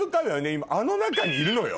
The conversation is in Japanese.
今あの中にいるのよ。